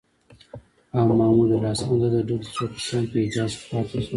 او محمودالحسن او د ده د ډلې څو کسان په حجاز کې پاتې شول.